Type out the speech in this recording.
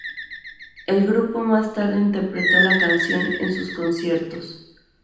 El grupo más tarde interpretó la canción en sus conciertos.